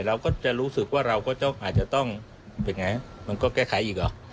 เราก็จะรู้สึกว่าเราก็ต้องอาจจะต้องเป็นไงมันก็แก้ไขอีกหรอ